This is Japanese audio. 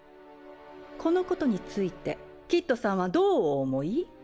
このことについてキッドさんはどうお思い？